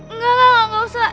enggak enggak enggak usah